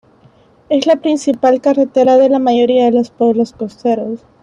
Es la principal carretera de la mayoría de los pueblos costeros.